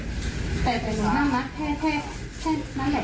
แต่หนูนั่งนะแค่แค่แค่หน้าใหญ่